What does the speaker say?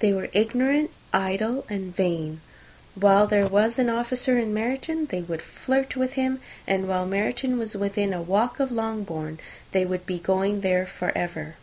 They were ignorant, idle, and vain. While there was an officer in Meryton, they would flirt with him; and while Meryton was within a walk of Longbourn, they would be going there for ever.